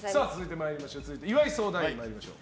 続いては岩井相談員参りましょう。